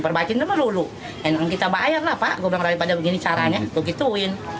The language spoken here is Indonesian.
perbaikin dulu kita bayar lah pak gue bilang daripada begini caranya gue gituin